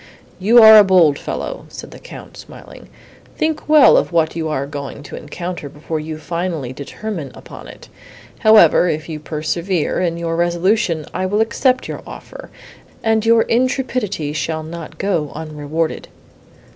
"You are a bold fellow," said the Count, smiling, "Think well of what you are going to encounter, before you finally determine upon it. However, if you persevere in your resolution, I will accept your offer, and your intrepidity shall not go unrewarded."